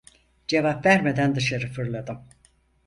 Cevap vermeden dışarı fırladım.